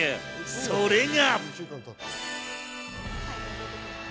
それが。